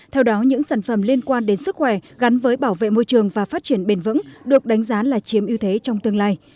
theo đó những sản phẩm liên quan đến sức khỏe gắn với bảo vệ môi trường và phát triển bền vững được đánh giá là chiếm ưu thế trong tương lai